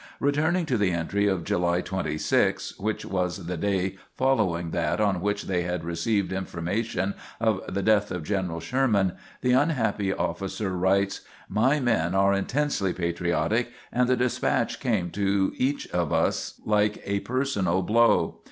Returning to the entry of July 26, which was the day following that on which they had received information of the death of General Sherman, the unhappy officer writes: "My men are intensely patriotic, and the despatch came to each of us like a personal blow.